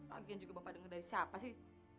mungkin juga bapak dengar dari siapa sih